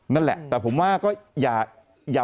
นั่นแหละแต่ผมว่าก็อย่า